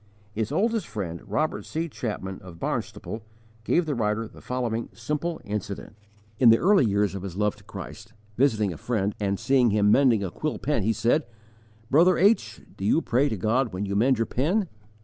His oldest friend, Robert C. Chapman of Barnstaple, gave the writer the following simple incident: In the early days of his love to Christ, visiting a friend, and seeing him mending a quill pen, he said: "Brother H , do you pray to God when you mend your pen?"